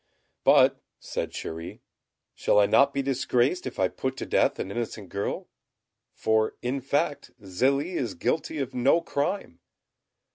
"But," said Chéri, "shall I not be disgraced if I put to death an innocent girl? For in fact Zélie is guilty of no crime."